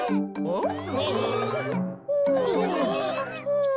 うん。